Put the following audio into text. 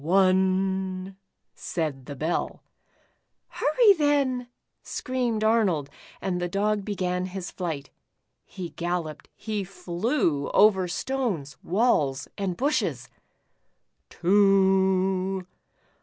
" One;' said the bell. " Hurry then," screamed Arnold, and the Dog 1 68 The Iron Dog. began his flight. He galloped, he flew, over stones, walls, and bushes. '* Two!''